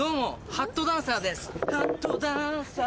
ハットダンサー